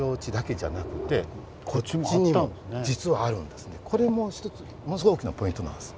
ですからこれも１つものすごい大きなポイントなんです。